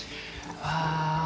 ああ。